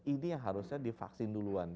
ini yang harusnya divaksin duluan